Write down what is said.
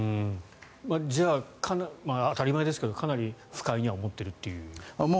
じゃあ、当たり前ですがかなり不快には思っていると。